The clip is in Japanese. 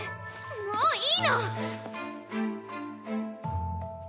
もういいの！